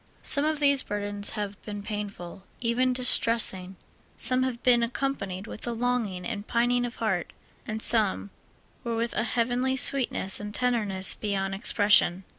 Some of these burdens have been painful, even distressing ; some have been accompanied with a longing and pining of heart, and some were with a heavenly sweetness and tenderness beyond expression.